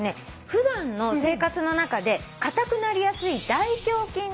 普段の生活の中で硬くなりやすい。